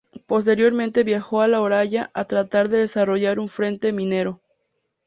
Posteriormente viajó a La Oroya a tratar de desarrollar un frente minero.